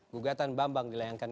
gugatan bambang dilayangkan